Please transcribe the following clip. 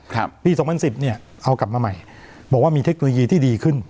ครับปีสองพันสิบเนี้ยเอากลับมาใหม่บอกว่ามีเทคโนโลยีที่ดีขึ้น